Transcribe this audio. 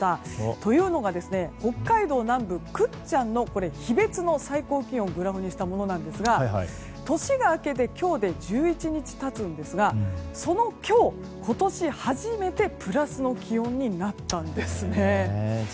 というのが、北海道南部倶知安の日別の最高気温をグラフにしたものなんですが年が明けて今日で１１日経つんですが今日、今年初めてプラスの気温になったんです。